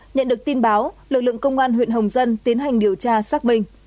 nhận được tin báo lực lượng công an huyện hồng dân tiến hành điều tra xác minh